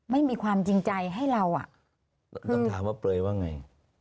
ไม่มีความจริงใจให้เราอ่ะต้องถามว่าเปลยว่าไง